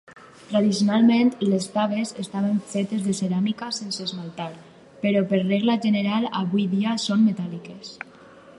Tradicionalment, les "taves" estaven fetes de ceràmica sense esmaltar, però per regla general avui dia són metàl·liques.